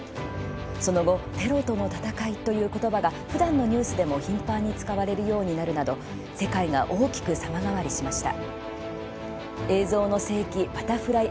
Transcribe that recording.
その後テロとの戦いという言葉がふだんのニュースでも頻繁に使われるようになるなど世界が大きく様変わりしました。